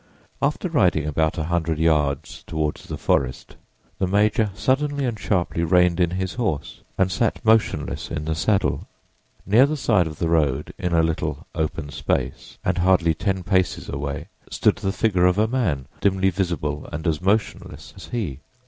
After riding about a hundred yards toward the forest, the major suddenly and sharply reined in his horse and sat motionless in the saddle. Near the side of the road, in a little open space and hardly ten paces away, stood the figure of a man, dimly visible and as motionless as he.